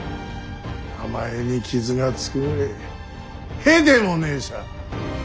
名前に傷がつくぐれえへでもねえさ。